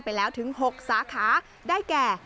ไปแล้วถึง๖สาขาได้แก่